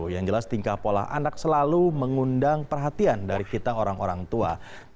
yang jelas tingkah pola anak selalu mengundang perhatian dari kita orang orang tua